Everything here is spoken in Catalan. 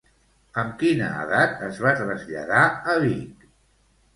Amb quina edat es va traslladar a Vic?